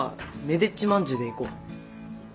でっちまんじゅうでいこう。